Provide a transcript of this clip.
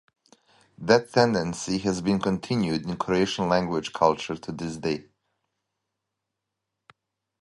That tendency has been continued in Croatian language culture to this day.